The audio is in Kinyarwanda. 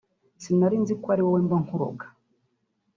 "Sinari nzi ko ari wowe mba nkuroga